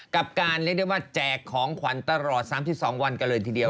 กับการเรียกได้ว่าแจกของขวัญตลอด๓๒วันกันเลยทีเดียว